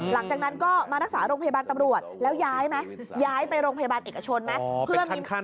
หลังจากนั้นก็มารักษาโรงพยาบาลตำรวจแล้วย้ายไหมย้ายไปโรงพยาบาลเอกชนไหม